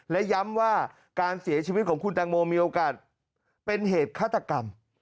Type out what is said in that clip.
และย้ำว่าการเสียชีวิตของคุณแตงโมมีโอกาสเป็นเหตุฆาตกรรม